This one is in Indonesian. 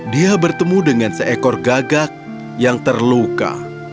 dia bertemu dengan seekor gagak yang terluka